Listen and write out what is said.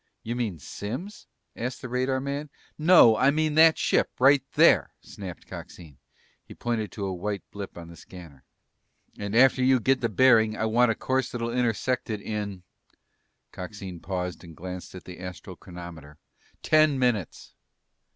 "You mean Simms?" asked the radarman. "No! I mean that ship, right there," snapped Coxine. He pointed to a white blip on the scanner. "And after you get the bearing I want a course that'll intersect it in" Coxine paused and glanced at the astral chronometer "ten minutes!"